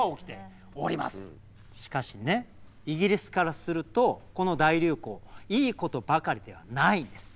しかしねイギリスからするとこの大流行いいことばかりではないんです。